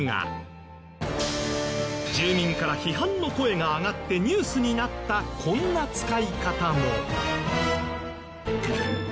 住民から批判の声が上がってニュースになったこんな使い方も。を購入。